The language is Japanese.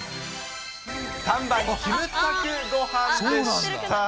３番、キムタクごはんでした。